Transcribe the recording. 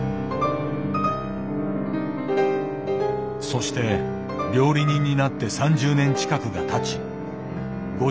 そして料理人になって３０年近くがたち５０歳を過ぎた頃。